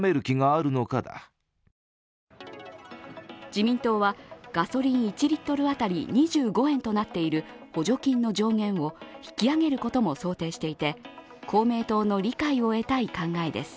自民党は、ガソリン１リットル当たり２５円となっている補助金の上限を引き上げることも想定していて公明党の理解を得たい考えです。